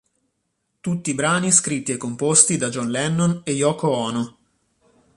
Tutti i brani scritti e composti da John Lennon e Yoko Ono.